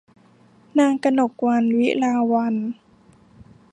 นางกนกวรรณ วิลาวัลย์